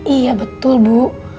iya betul bu